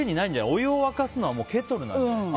お湯を沸かすのはケトルなんだよ。